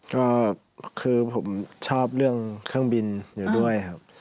ก็คือผมชอบเรื่องเครื่องบินอยู่ด้วยครับ